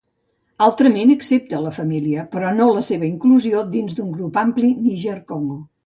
Altrament accepta la família, però no la seva inclusió dins d'un grup ampli Níger-Congo.